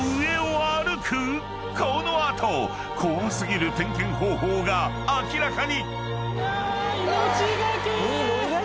［この後怖過ぎる点検方法が明らかに］